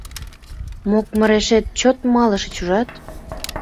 Мокмырешет чот малышыч, ужат!..